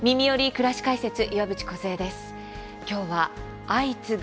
くらし解説」岩渕梢です。